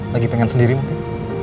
lagi pengen sendiri mungkin